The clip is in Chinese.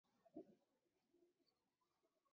在哺乳室内